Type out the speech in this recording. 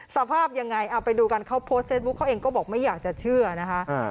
สภาพยังไงเอาไปดูกันเขาโพสต์เฟซบุ๊คเขาเองก็บอกไม่อยากจะเชื่อนะคะ